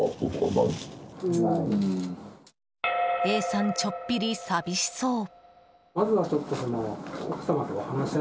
Ａさん、ちょっぴり寂しそう。